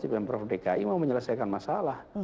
pemprov dki mau menyelesaikan masalah